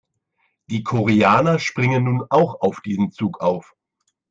Die Koreaner springen nun auch auf diesen Zug auf.